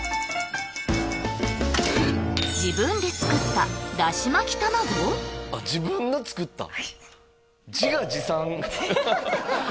自分で作った「だし巻き卵」？あっ自分が作った？